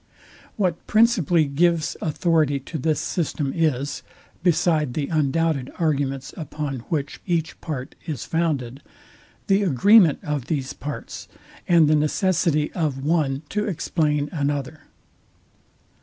What principally gives authority to this system is, beside the undoubted arguments, upon which each part is founded, the agreement of these parts, and the necessity of one to explain another.